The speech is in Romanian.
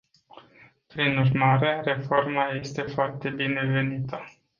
Prin urmare, reforma este foarte binevenită.